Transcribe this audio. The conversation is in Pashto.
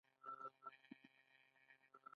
د زیروک ولسوالۍ غرنۍ ده